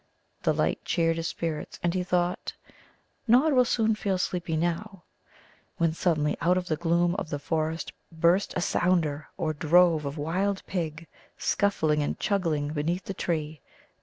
The light cheered his spirits, and he thought, "Nod will soon feel sleepy now," when suddenly out of the gloom of the forest burst a sounder or drove of wild pig, scuffling and chuggling beneath the tree.